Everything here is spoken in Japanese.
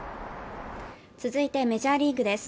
続いてメジャーリーグです。